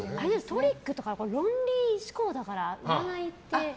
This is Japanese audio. トリックとかは論理思考だから占いって。